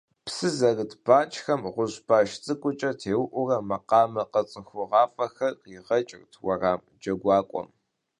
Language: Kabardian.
Псы зэрыт банкӏхэм гъущӏ баш цӏыкӏукӏэ теуӏэурэ макъамэ къэцӏыхугъуафӏэхэр къригъэкӏырт уэрам джэгуакӏуэм.